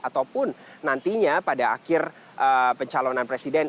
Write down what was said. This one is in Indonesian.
ataupun nantinya pada akhir pencalonan presiden